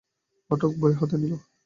পাঠক বই হাতে নিল।